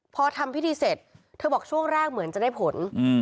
พอทำพิธีเสร็จเธอบอกช่วงแรกเหมือนจะได้ผล